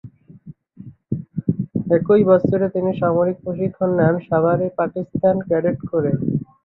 একই বছরে তিনি সামরিক প্রশিক্ষণ নেন সাভারে পাকিস্তান ক্যাডেট কোরে।